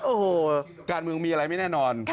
โอ้โหการเมืองมีอะไรไม่แน่นอน